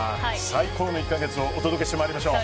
最高の１カ月をお届けしてまいりましょう。